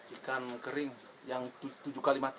ikan kering yang tujuh kali mati